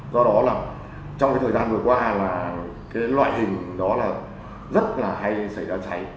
do đó là trong cái thời gian vừa qua là cái loại hình đó là rất là hay xảy ra cháy